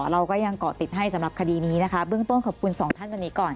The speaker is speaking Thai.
เราก็ยังเกาะติดให้สำหรับคดีนี้นะคะเบื้องต้นขอบคุณสองท่านวันนี้ก่อน